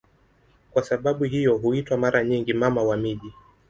Kwa sababu hiyo huitwa mara nyingi "Mama wa miji".